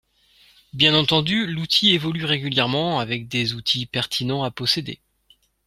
Bien entendu, l'outil évolue régulièrement avec des outils pertinents à posséder.